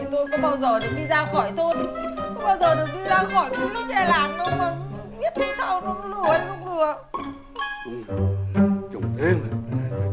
thì tôi có bao giờ được đi ra khỏi thôi